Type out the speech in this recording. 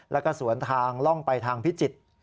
แล้วก็สวนทางล่องไปทางพิจิตร